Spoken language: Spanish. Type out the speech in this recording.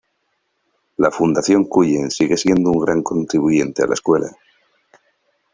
La Fundación Cullen sigue siendo un gran contribuyente a la escuela.